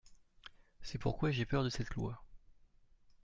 C’est pourquoi j’ai peur de cette loi.